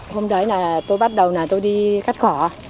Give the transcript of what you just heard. hôm đó tôi bắt đầu đi cắt khỏ